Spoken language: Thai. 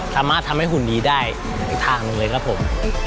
สามารถทำให้หุ่นนี้ได้อีกทางหนึ่งเลยครับผม